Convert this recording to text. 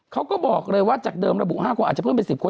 เขาก็บอกเลยว่าจากเดิมระบุ๕คนอาจจะเพิ่มเป็น๑๐คน